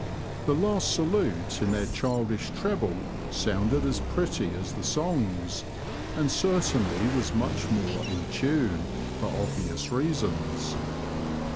The last salute, in their childish treble, sounded as pretty as the songs, and certainly was much more in tune, for obvious reasons.